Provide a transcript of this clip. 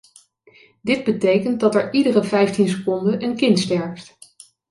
Dit betekent dat er iedere vijftien seconden een kind sterft.